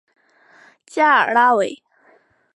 加尔拉韦。